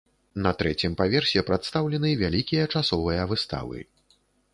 На трэцім паверсе прадстаўлены вялікія часовыя выставы.